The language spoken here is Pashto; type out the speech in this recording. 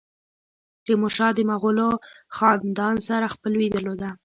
تیمورشاه د مغولو خاندان سره خپلوي درلوده.